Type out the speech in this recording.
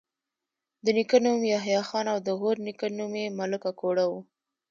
د نیکه نوم یحيی خان او د غورنیکه نوم یې ملک اکوړه وو